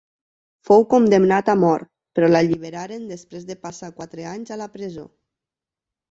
Fou condemnat a mort, però l'alliberaren després de passar quatre anys a la presó.